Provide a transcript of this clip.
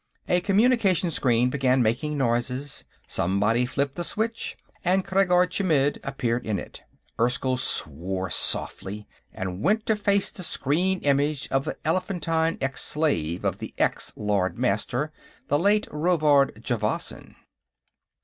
A communication screen began making noises. Somebody flipped the switch, and Khreggor Chmidd appeared in it. Erskyll swore softly, and went to face the screen image of the elephantine ex slave of the ex Lord Master, the late Rovard Javasan.